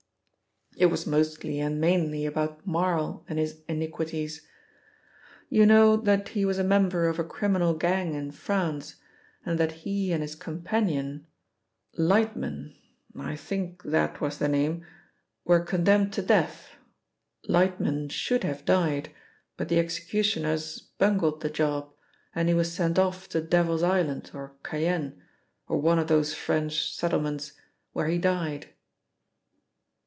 It was mostly and mainly about Marl and his iniquities. You know that he was a member of a criminal gang in France, and that he and his companion, Lightman I think that was the name were condemned to death. Lightman should have died, but the executioners bungled the job, and he was sent off to Devil's Island, or Cayenne, or one of those French settlements, where he died."